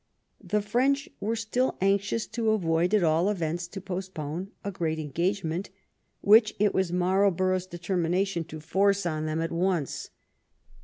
The French were still anxious to avoid, at all events to postpone, a great engagement, which it was Marl borough's determination to force on them at once.